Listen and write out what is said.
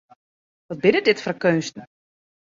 Wat binne dit foar keunsten!